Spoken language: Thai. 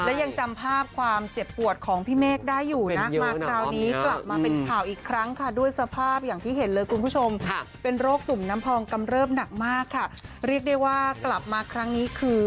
แล้วยังจำภาพความเจ็บปวดของพี่เมฆได้อยู่นักมากคราวนี้